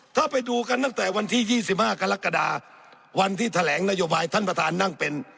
ถ้าไปดูกันตั้งแต่วันที่๒๕กรกฎาวันที่แถลงนโยบายท่านประธานนั่งเป็น